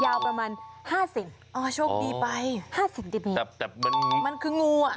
ยาวประมาณห้าสิบอ๋อโชคดีไปห้าเซนติเมตรแต่แต่มันมันคืองูอ่ะ